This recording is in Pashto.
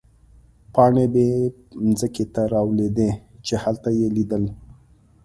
پاڼې به مځکې ته رالوېدې، چې هلته يې لیدل.